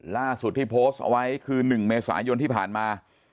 ล่าสุดที่โพสต์เอาไว้คือ๑เมษายนที่ผ่านมา